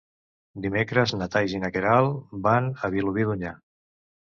Dimecres na Thaís i na Queralt van a Vilobí d'Onyar.